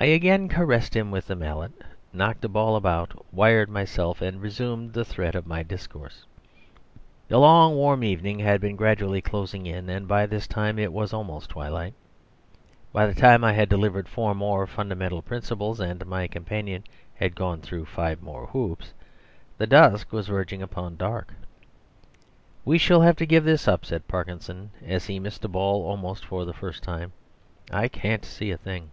I again caressed him with the mallet, knocked a ball about, wired myself, and resumed the thread of my discourse. The long, warm evening had been gradually closing in, and by this time it was almost twilight. By the time I had delivered four more fundamental principles, and my companion had gone through five more hoops, the dusk was verging upon dark. "We shall have to give this up," said Parkinson, as he missed a ball almost for the first time, "I can't see a thing."